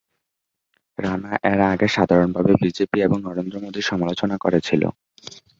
রানা এর আগে সাধারণভাবে বিজেপি এবং নরেন্দ্র মোদীর সমালোচনা করেছিলেন।